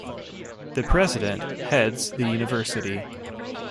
The president heads the University.